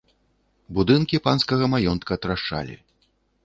Будынкі панскага маёнтка трашчалі.